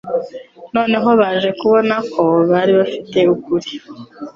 Noneho baje kubona ko bari bafite ukuri